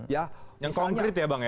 yang konkret ya bang ya